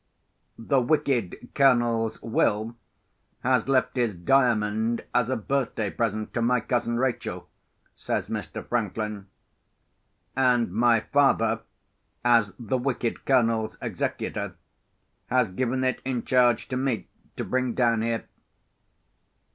"The wicked Colonel's will has left his Diamond as a birthday present to my cousin Rachel," says Mr. Franklin. "And my father, as the wicked Colonel's executor, has given it in charge to me to bring down here."